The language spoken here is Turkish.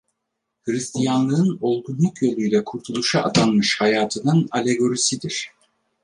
Hristiyanlığın olgunluk yoluyla kurtuluşa adanmış hayatının alegorisidir.